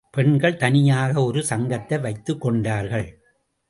பெண்கள் தனியாக ஒரு சங்கத்தை வைத்துக் கொண்டார்கள்.